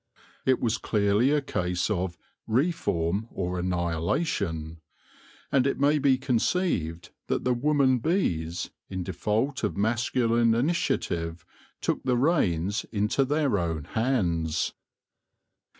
It was clearly a case of reform or annihila tion ; and it may be conceived that the woman bees, in default of masculine initiative, took the reins into their own hands.